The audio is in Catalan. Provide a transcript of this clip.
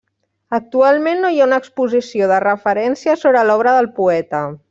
Actualment no hi ha una exposició de referència sobre l'obra del poeta.